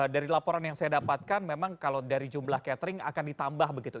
dari laporan yang saya dapatkan memang kalau dari jumlah catering akan ditambah begitu